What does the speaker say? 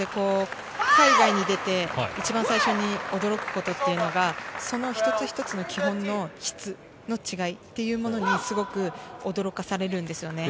海外に出て一番最初に驚くことは、その一つ一つの基本の質の違い、そこに驚かされるんですよね。